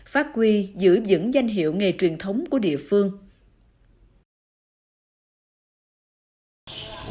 phát quy giữ dững danh hiệu nghề truyền thống của địa phương